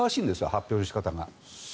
発表の仕方が。